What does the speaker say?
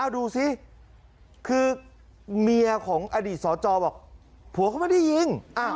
ดูสิคือเมียของอดีตสจบอกผัวเขาไม่ได้ยิง